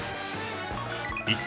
一体